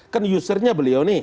kan usernya beliau nih